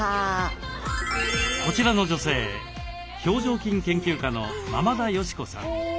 こちらの女性表情筋研究家の間々田佳子さん。